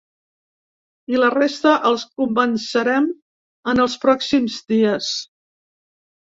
I la resta els convencerem en els pròxims dies.